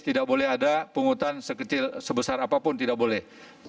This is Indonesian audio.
tidak boleh ada pungutan sebesar apapun tidak boleh